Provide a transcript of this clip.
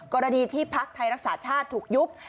กรณีที่พักไทยรักษาชาติถูกยุบ